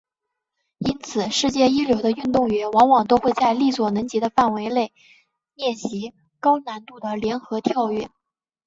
因此世界一流的运动员往往都会在力所能及的范围内练习高难度的联合跳跃。